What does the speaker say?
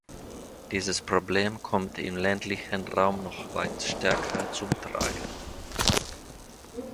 Dieses Problem kommt im ländlichen Raum noch weit stärker zum Tragen.